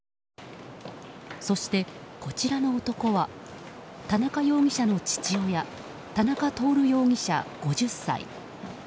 そして、こちらの男は田中容疑者の父親田中徹容疑者、５０歳。